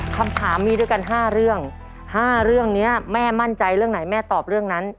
คำถามมีด้วยกัน๕เรื่อง๕เรื่องนี้แม่มั่นใจเรื่องไหนแม่ตอบเรื่องนั้น